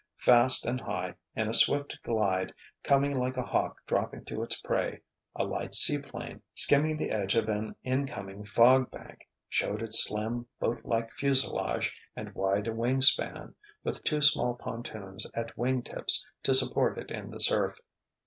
Fast and high, in a swift glide, coming like a hawk dropping to its prey, a light seaplane, skimming the edge of an incoming fog bank, showed its slim, boatlike fuselage and wide wingspan, with two small pontoons at wingtips to support it in the surf.